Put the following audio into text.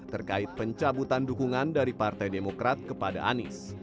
terkait pencabutan dukungan dari partai demokrat kepada anies